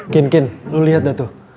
kin kin lo liat dah tuh